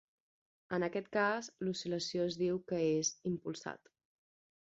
En aquest cas, l'oscil·lació es diu que és "impulsat".